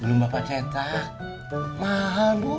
belum bapak cetak mahal bu